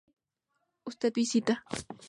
Usted visita